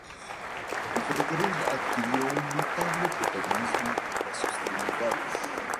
El ferrocarril adquirió un notable protagonismo en las hostilidades.